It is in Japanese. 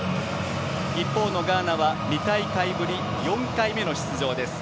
一方のガーナは２大会ぶり４回目の出場です。